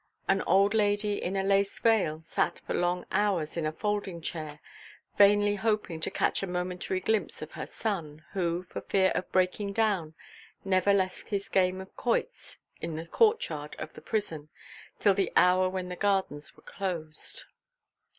An old lady in a lace veil sat for long hours on a folding chair, vainly hoping to catch a momentary glimpse of her son, who, for fear of breaking down, never left his game of quoits in the courtyard of the prison till the hour when the gardens were closed.